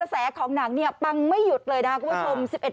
แสของหนังเนี่ยปังไม่หยุดเลยนะคุณผู้ชม